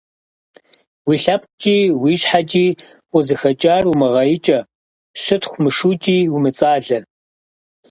Уи лъэпкъкӀи уи щхьэкӀи укъызыхэкӀар умыгъэикӀэ, щытхъу мышукӀи умыцӀалэ.